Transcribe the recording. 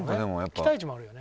期待値もあるよね。